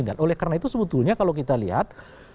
dan oleh karena itu sebetulnya kalau kita lihat